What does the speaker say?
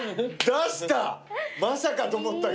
出した！